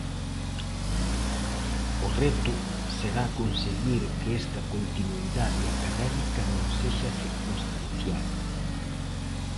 O reto será conseguir que esta continuidade académica non sexa circunstancial.